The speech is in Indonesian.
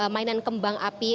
mainan kembang api